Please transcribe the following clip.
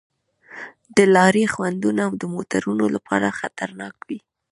د لارې خنډونه د موټروانو لپاره خطرناک وي.